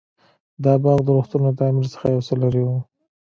دا باغ د روغتون له تعمير څخه يو څه لرې و.